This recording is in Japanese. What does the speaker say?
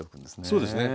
そうですね